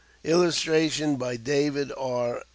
[Illustration: DAVID R.